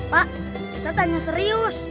pak kita tanya serius